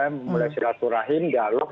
memulai silaturahim dialog